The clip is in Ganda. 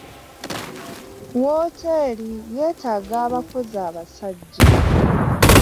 Wooteri yetaaga abakozi abasajja .